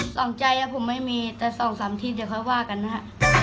สองใจผมไม่มีแต่สองสามทีเดี๋ยวค่อยว่ากันนะฮะ